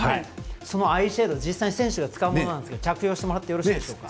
そのアイシェード、実際に選手が使うものなんですけど着用してもらってよろしいでしょうか。